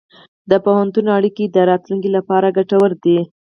د پوهنتون اړیکې د راتلونکي لپاره ګټورې دي.